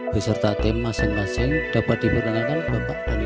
beserta tim masing masing dapat diperkenalkan oleh pak dhani